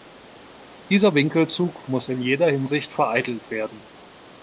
Dieser Winkelzug muss in jeder Hinsicht vereitelt werden.